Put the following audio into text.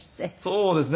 そうですね。